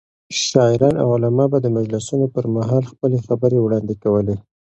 شاعران او علما به د مجلسونو پر مهال خپلې خبرې وړاندې کولې.